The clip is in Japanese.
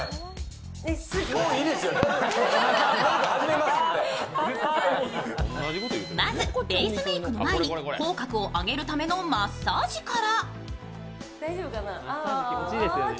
まずベースメークの前に口角を上げるためのマッサージから。